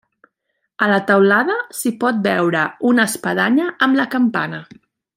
A la teulada s'hi pot veure una espadanya amb la campana.